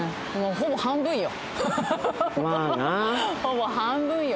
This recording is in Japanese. ほぼ半分よ。